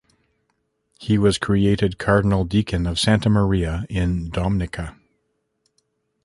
He was created Cardinal Deacon of "Santa Maria in Domnica".